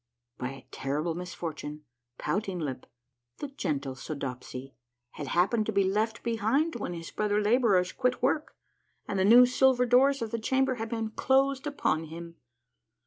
By a terrible misfortune. Pouting Lip, the gentle Soodopsy, had happened to be left behind when his brother laborers quit work, and the new silver doors of the chamber had been closed upon him.